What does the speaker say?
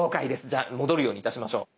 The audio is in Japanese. じゃあ戻るようにいたしましょう。